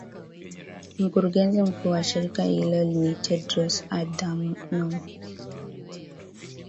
Mkurugenzi mkuu wa shirika hilo ni Tedros Adhanom